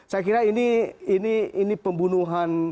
saya kira ini pembunuhan